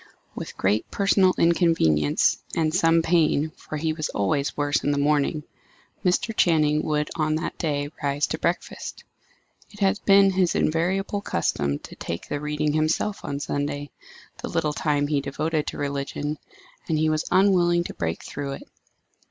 With great personal inconvenience, and some pain for he was always worse in the morning Mr. Channing would on that day rise to breakfast. It had been his invariable custom to take the reading himself on Sunday the little time he devoted to religion and he was unwilling to break through it.